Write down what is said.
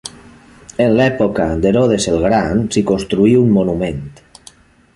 En l'època d'Herodes el Gran s'hi construí un monument.